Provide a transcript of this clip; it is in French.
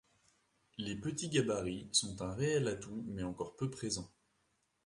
Les petits gabarits sont un réel atout mais encore peu présents.